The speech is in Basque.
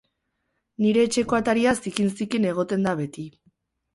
Nire etxeko ataria zikin-zikin egoten da beti